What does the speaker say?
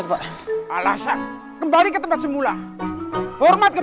sampai jumpa di video selanjutnya